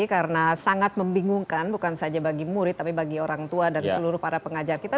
karena sangat membingungkan bukan saja bagi murid tapi bagi orang tua dan seluruh para pengajar kita